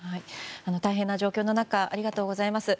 大変な状況の中ありがとうございます。